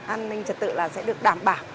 an ninh trật tự là sẽ được đảm bảo